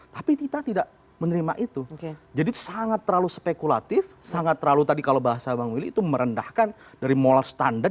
tapi kita tidak menerima itu jadi sangat terlalu spekulatif sangat terlalu tadi kalau bahasa bang willy itu merendahkan dari mola standar